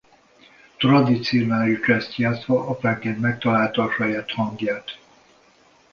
Tradicionális dzsesszt játszva apránként megtalálta a saját hangját.